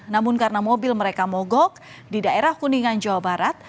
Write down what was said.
namun karena mobil mereka mogok di daerah kuningan jawa barat